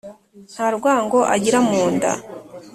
nta rwango agira mu nda.